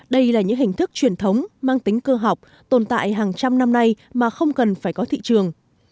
đây là những hình thức truyền thống mang tính cơ học tồn tại hàng trăm năm nay mà không cần phải có thị trường